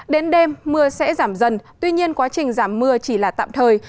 đến đêm mưa sẽ giảm dần tuy nhiên quá trình giảm mưa chỉ là tạm thời